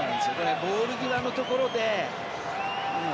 ボール際のところで。